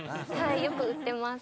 よく売ってます。